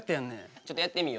ちょっとやってみよう。